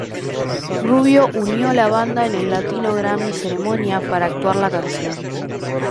Rubio Unió la banda en el latino Grammy ceremonia para actuar la canción.